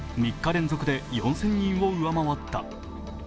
３日連続で４０００人を上回った。